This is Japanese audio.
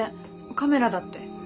カメラだって。